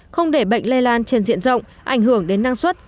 không để bệnh lây lan trên diện rộng ảnh hưởng đến năng suất